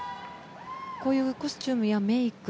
こういうコスチュームやメイク